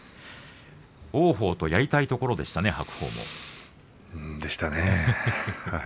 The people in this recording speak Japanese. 王鵬とやりたいところでしたね、白鵬。でしたね。